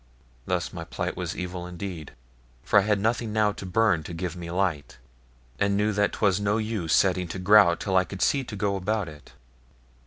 Thus my plight was evil indeed, for I had nothing now to burn to give me light, and knew that 'twas no use setting to grout till I could see to go about it.